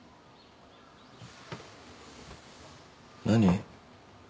何？